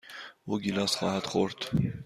او گیلاس خواهد خورد.